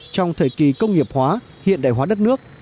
trong thời kỳ công nghiệp hóa hiện đại hóa đất nước